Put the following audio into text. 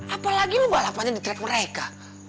apalagi lu balapannya di track mereka